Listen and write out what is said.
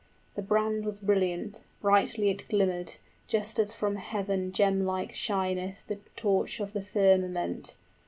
The brand was brilliant, brightly it glimmered, 15 Just as from heaven gemlike shineth The torch of the firmament.